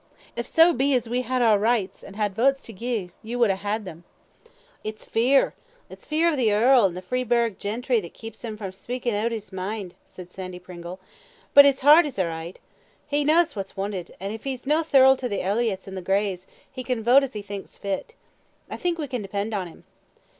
If so be as we had had our richts, and had votes to gie, ye should hae them a'." "It's fear it's fear of the earl and the Freeburgh gentry that keeps him frae speakin' oot his mind," said Sandy Pringle; "but his heart is a' richt. He kens what's wanted, and if he's no thirled to the Elliotts and the Greys, he can vote as he thinks fit. I think we can depend on him."